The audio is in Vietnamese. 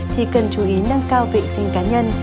thì cần chú ý nâng cao vệ sinh cá nhân